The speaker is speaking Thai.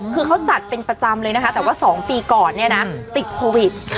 คือเขาจัดเป็นประจำเลยนะคะแต่ว่า๒ปีก่อนเนี่ยนะติดโควิด